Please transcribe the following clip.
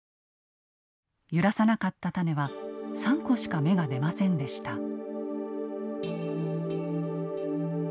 揺らさなかった種は３個しか芽が出ませんでした。